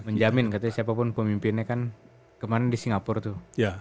menjamin katanya siapapun pemimpinnya kan kemarin di singapura tuh